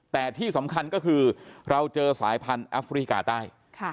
แต่ที่สำคัญก็คือเราเจอสายพันธุ์แอฟริกาใต้